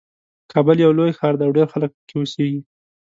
کابل یو لوی ښار ده او ډېر خلک پکې اوسیږي